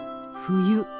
冬。